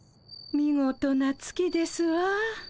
見事な月ですわ。